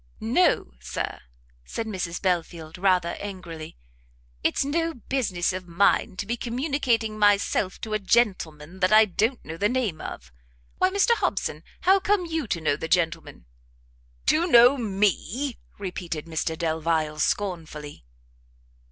"No, Sir," said Mrs Belfield, rather angrily, "it's no business of mine to be communicating myself to a gentleman that I don't know the name of. Why, Mr Hobson, how come you to know the gentleman?" "To know me!" repeated Mr Delvile, scornfully.